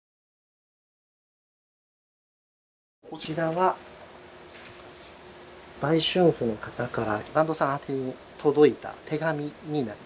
こちらは売春婦の方から團藤さん宛てに届いた手紙になりますね。